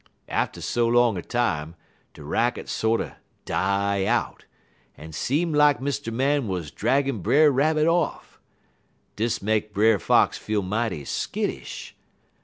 "Atter so long a time, de racket sorter die out, en seem lak Mr. Man wuz draggin' Brer Rabbit off. Dis make Brer Fox feel mighty skittish.